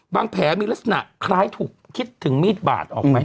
แผลมีลักษณะคล้ายถูกคิดถึงมีดบาดออกไหม